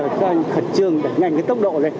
phải coi khẩn trương để nhanh cái tốc độ lên